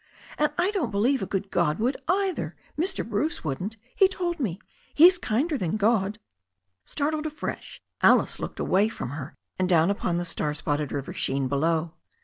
And I don't believe a good God would either. Mr. Bruce wouldn't. He told me. He's kinder than God." Startled afresh, Alice looked away from her and down upon the star spotted river sheen below.